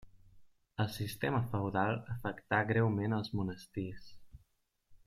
El sistema feudal afectà greument els monestirs.